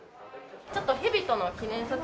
ちょっとヘビとの記念撮影。